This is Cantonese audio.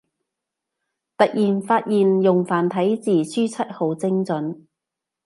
突然發現用繁體字輸出好精准